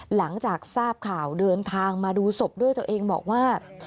หลังจากทราบข่าวเดินทางมาดูศพด้วยตัวเองบอกว่า